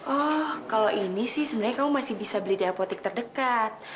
oh kalau ini sih sebenarnya kamu masih bisa beli di apotek terdekat